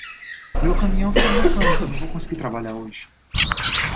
Meu caminhão ficou no mecânico, não vou conseguir trabalhar hoje.